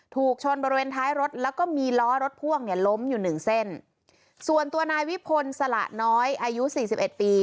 ถูกชนบริเวณท้ายรถแล้วก็มีล้อรถพ่วงเนี่ยล้มอยู่หนึ่งเส้นส่วนตัวนายวิพลสละน้อยอายุสี่สิบเอ็ดปี